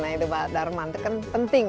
nah itu pak darman itu kan penting